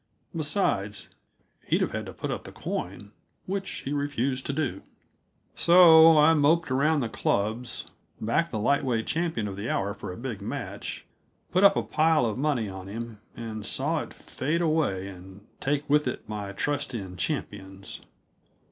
Besides, he'd have had to put up the coin, which he refused to do. So I moped around the clubs, backed the light weight champion of the hour for a big match, put up a pile of money on him, and saw it fade away and take with it my trust in champions.